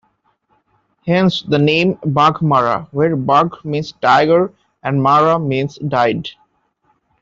Hence, the name Baghmara, where, "bagh" means "tiger" and "mara" means "died".